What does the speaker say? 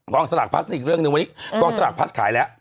สลากพลัสอีกเรื่องหนึ่งวันนี้กองสลากพลัสขายแล้ว